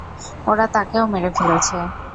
ওরা তাকেও মেরে ফেলেছে।